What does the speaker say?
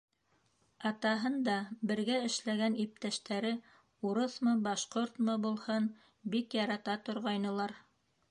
Атаһын да бергә эшләгән иптәштәре, урыҫмы, башҡортмо булһын, бик ярата торғайнылар.